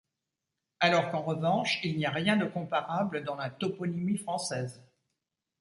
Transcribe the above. Alors qu'en revanche, il n'y a rien de comparable dans la toponymie française.